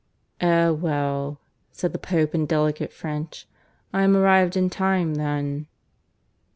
(V) "Eh well," said the Pope in delicate French; "I am arrived in time then."